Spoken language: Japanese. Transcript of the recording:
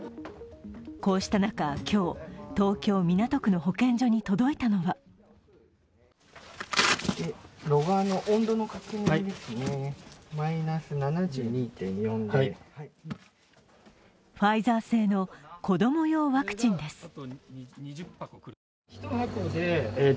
こうした中、今日、東京・港区の保健所に届いたのはファイザー製の子供用ワクチンです。